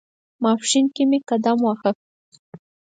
ماپښین کې مې قدم واهه.